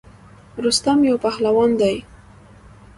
رستم یو پهلوان دی.